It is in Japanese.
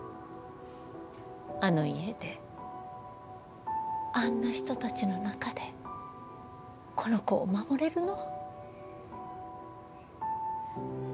あの家であんな人たちの中でこの子を守れるの？